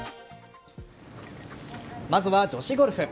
まずは女子ゴルフ。